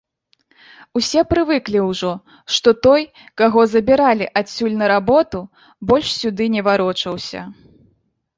Усе прывыклі ўжо, што той, каго забіралі адсюль на работу, больш сюды не варочаўся.